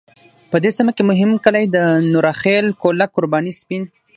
په دې سیمه کې مهم کلی د نوره خیل، کولک، قرباني، سپین .